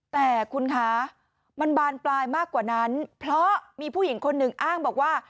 แต่คุณคะมันบานปลายมากกว่านั้นเพราะมีผู้หญิงคนหนึ่งอ้างบอกว่า